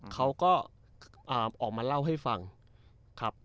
เขาก็ออกมาเล่าให้ฟังครับ